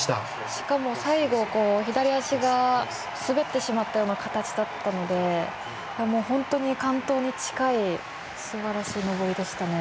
しかも最後、左足が滑ってしまったような形だったので本当に完登に近いすばらしい登りでしたね。